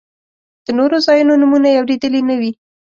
د نورو ځایونو نومونه یې اورېدلي نه وي.